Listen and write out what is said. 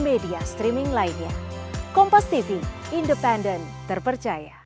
media streaming lainnya kompas tv independen terpercaya